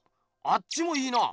あっちもいいな！